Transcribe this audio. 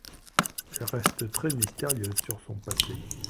Elle reste très mystérieuse sur son passé.